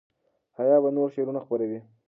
حیا به نور شعرونه خپروي.